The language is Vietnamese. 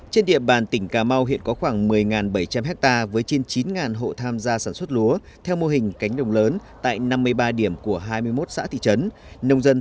trên địa bàn tỉnh cà mau hiện có khoảng một mươi bảy trăm linh hectare với trên chín hộ tham gia sản xuất lúa theo mô hình cánh đồng lớn tại năm mươi ba điểm của hai mươi một xã thị trấn